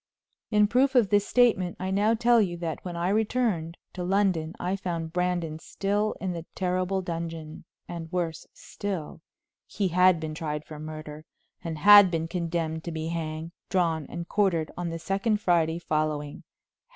In proof of this statement, I now tell you that when I returned to London I found Brandon still in the terrible dungeon; and, worse still, he had been tried for murder, and had been condemned to be hanged, drawn and quartered on the second Friday following.